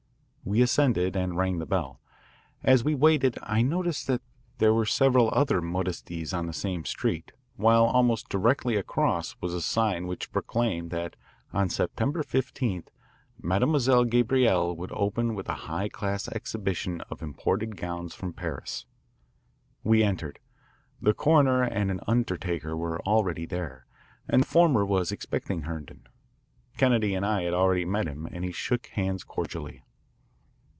We ascended and rang the bell. As we waited I noticed that there were several other modistes on the same street, while almost directly across was a sign which proclaimed that on September 15 Mademoiselle Gabrielle would open with a high class exhibition of imported gowns from Paris. We entered. The coroner and an undertaker were already there, and the former was expecting Herndon. Kennedy and I had already met him and he shook hands cordially.